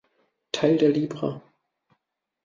Teil der Libra.